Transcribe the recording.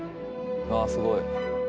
わあすごい。